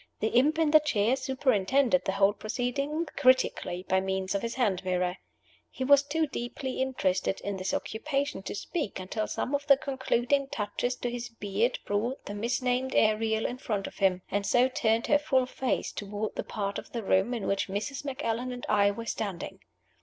The imp in the chair superintended the whole proceeding critically by means of his hand mirror. He was too deeply interested in this occupation to speak until some of the concluding touches to his beard brought the misnamed Ariel in front of him, and so turned her full face toward the part of the room in which Mrs. Macallan and I were standing.